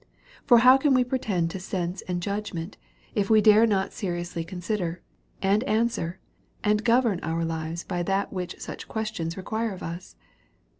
For how can we pretend to sense and judgment, if we dare not seriously consider, and answer, and govern our lives by that which such ques tions require of us?